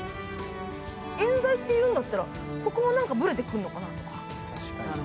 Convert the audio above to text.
えん罪というんだったらここもなんかブレてくるのかなとか。